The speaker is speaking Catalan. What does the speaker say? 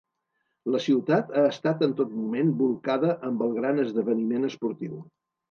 La ciutat ha estat en tot moment bolcada amb el gran esdeveniment esportiu.